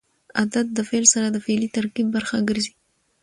عدد د فعل سره د فعلي ترکیب برخه ګرځي.